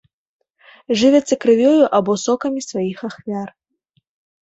Жывяцца крывёю або сокамі сваіх ахвяр.